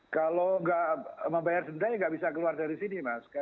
kalau tidak membayar denda tidak bisa keluar dari sini mas